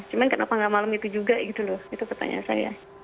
cuma kenapa nggak malam itu juga gitu loh itu pertanyaan saya